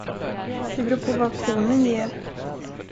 Det beror på vad auktionen ger.